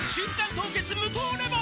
凍結無糖レモン」